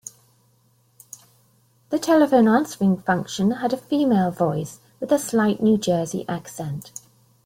The telephone answering function had a female voice, with a slight New Jersey accent.